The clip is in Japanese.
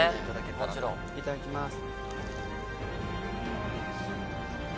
いただきます。